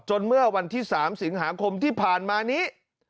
เมื่อวันที่๓สิงหาคมที่ผ่านมานี้